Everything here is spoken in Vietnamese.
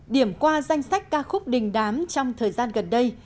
điểm qua danh sách ca khúc đình đám trong thời gian gần đây